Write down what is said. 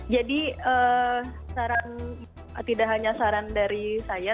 jadi saran tidak hanya saran dari saya